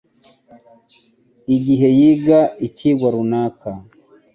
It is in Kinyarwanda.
igihe yiga icyigwa runaka